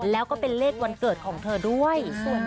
แล้วก็เป็นเลขวันเกิดของเธอด้วย